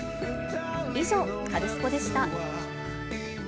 以上、カルスポっ！でした。